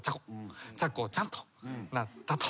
チャコちゃんとなったと。